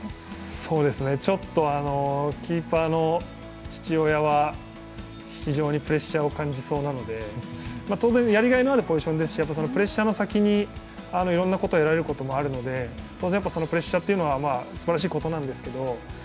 そうですね、ちょっとキーパーの父親は非常にプレッシャーを感じそうなので当然やりがいのあるポジションですし、プレッシャーの先にいろんなこと、得られることもあるので当然、プレッシャーはすばらしいことなんですけど。